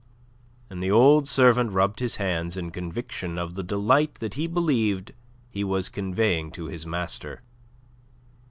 And the old servant rubbed his hands in conviction of the delight that he believed he was conveying to his master.